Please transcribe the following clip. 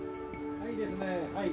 はいいいですね。